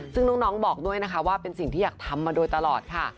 ซึ่งน้องบอกด้วยนะคะว่าเป็นสิ่งที่อยากทำมาโดยตลอดค่ะ